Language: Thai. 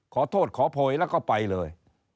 ขอโทษขอโพยแล้วก็ไปเลย